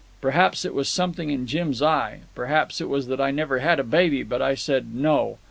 Perhaps it was something in Jim's eye, perhaps it was that I never had a baby, but I said 'No.'